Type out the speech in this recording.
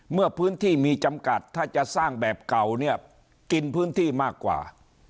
เมื่อพื้นที่มีจำกัดถ้าจะสร้างแบบเก่าเนี่ยกินพื้นที่มากกว่า